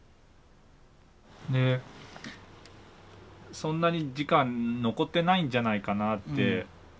「そんなに時間残ってないんじゃないかな」って